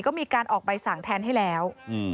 ก็มีการออกใบสั่งแทนให้แล้ว